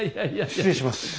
失礼します。